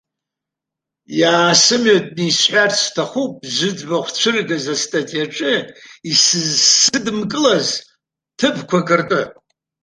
Иаасымҩатәны исҳәарц сҭахуп зыӡбахә цәырызгаз астатиаҿы исызсыдымкылаз ҭыԥқәак ртәы.